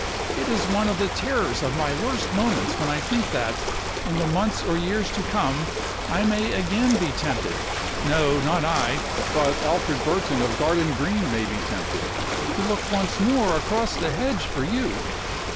It is one of the terrors of my worst moments when I think that in the months or years to come I may again be tempted no, not I, but Alfred Burton of Garden Green may be tempted to look once more across the hedge for you."